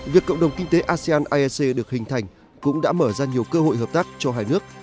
việc cộng đồng kinh tế asean aec được hình thành cũng đã mở ra nhiều cơ hội hợp tác cho hai nước